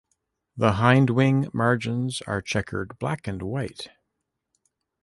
The hindwing margins are chequered black and white.